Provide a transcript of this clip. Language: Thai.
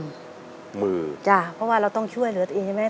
มือจ้ะเพราะว่าเราต้องช่วยเหลือตัวเองใช่ไหม